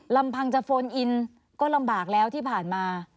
ลำพังจะโฟนอินก็ลำบากแล้วที่ผ่านมา